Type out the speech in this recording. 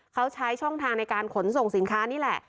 เขาใช้ช่องทางในการขนส่งสินค้านี่แหละ